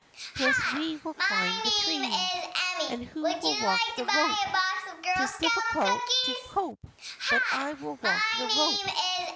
'Tis we will climb the tree." 44 And who will walk the rope? " 44 'Tis difficult to cope, but I will walk the rope."